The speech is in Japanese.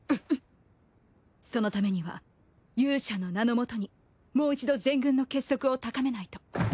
そのためには勇者の名のもとにもう一度全軍の結束を高めないと。